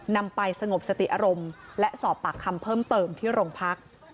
นำไปสงบสติอารมณ์และสอบปากคำเพิ่มเติมที่โรงพัก